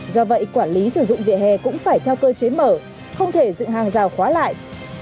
do vậy quản lý sử dụng vỉa hè cũng phải theo cơ chế mở không thể dựng hàng rào khóa lại